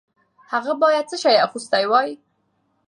هغه باید څه شی اغوستی وای؟